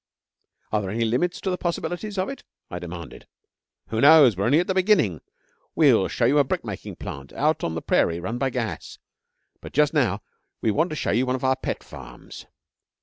'Are there any limits to the possibilities of it?' I demanded. 'Who knows? We're only at the beginning. We'll show you a brick making plant, out on the prairie, run by gas. But just now we want to show you one of our pet farms.'